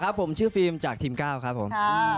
ครับผมชื่อฟิล์มจากทีมก้าวครับผม